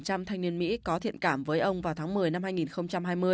khoảng bốn mươi hai thanh niên mỹ có thiện cảm với ông vào tháng một mươi năm hai nghìn hai mươi